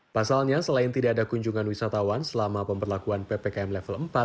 pasalnya selain tidak ada kunjungan wisatawan selama pemberlakuan ppkm level empat